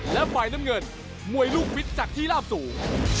และฝ่ายน้ำเงินมวยลูกวิทย์จากที่ลาบสูง